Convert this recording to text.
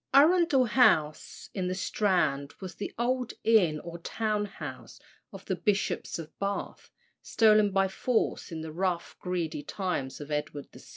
Arundel House, in the Strand, was the old inn or town house of the Bishops of Bath, stolen by force in the rough, greedy times of Edward VI.